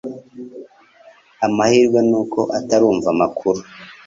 Amahirwe nuko atarumva amakuru